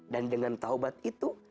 dan dengan tobat itu